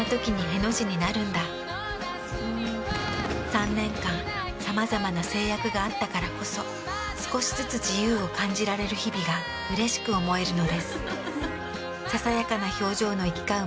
３年間さまざまな制約があったからこそ少しずつ自由を感じられる日々がうれしく思えるのです。